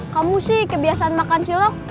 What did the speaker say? kamu sih kebiasaan makan cilok